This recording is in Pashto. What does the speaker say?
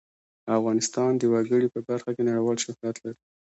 افغانستان د وګړي په برخه کې نړیوال شهرت لري.